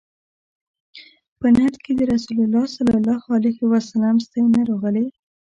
په نعت کې د رسول الله صلی الله علیه وسلم ستاینه راغلې.